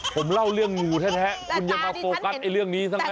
ผมเล่าเรื่องงูแท้งูมาโฟกัสเรื่องนี้ซะ